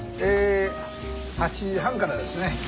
え８時半からですね。